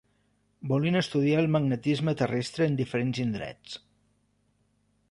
Volien estudiar el magnetisme terrestre en diferents indrets.